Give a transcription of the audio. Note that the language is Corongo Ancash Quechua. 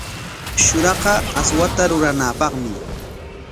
Shuraqa aswata ruranapaqmi.